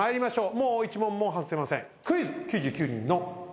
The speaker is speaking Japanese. もう一問も外せませんクイズ。